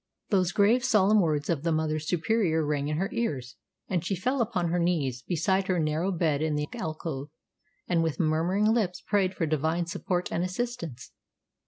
Those grave, solemn words of the Mother Superior rang in her ears, and she fell upon her knees beside her narrow bed in the alcove, and with murmuring lips prayed for divine support and assistance.